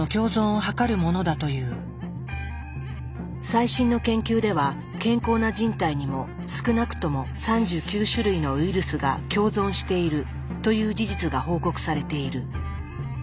最新の研究では健康な人体にも少なくとも３９種類のウイルスが共存しているという事実が報告されている。